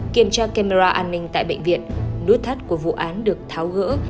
kiểm tra camera an ninh tại bệnh viện nút thắt của vụ án được tháo gỡ